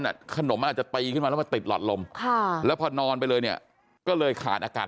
ขนมมันอาจจะตีขึ้นมาแล้วมาติดหลอดลมแล้วพอนอนไปเลยเนี่ยก็เลยขาดอากาศ